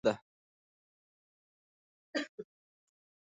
سیمه د سختې ګرمۍ لاندې ده.